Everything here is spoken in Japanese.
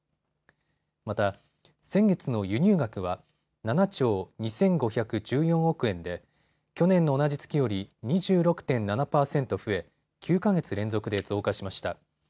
また、先月の輸入額は７兆２５１４億円で去年の同じ月より２６．７％増え９か月連続で増加しました。